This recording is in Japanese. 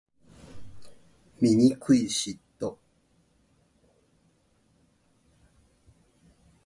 醜い嫉妬